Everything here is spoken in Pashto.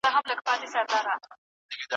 د برس د پاکوالي ساتل روغتیا ته مهم دي.